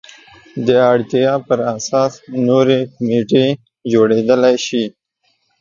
د اړتیا پر اساس نورې کمیټې جوړېدای شي.